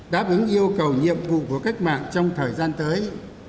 đáp ứng yêu cầu nhiệm vụ của cách mạng trong thời gian tới